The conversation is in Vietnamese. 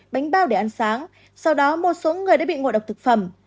bánh bao để ăn sáng sau đó một số người đã bị ngộ độc thực phẩm